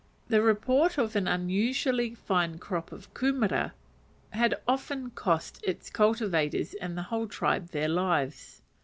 The report of an unusually fine crop of kumera had often cost its cultivators and the whole tribe their lives.